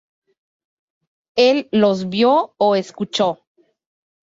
Él los vio o escuchó.